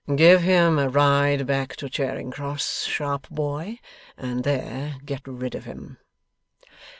'Give him a ride back to Charing Cross, sharp boy, and there get rid of him.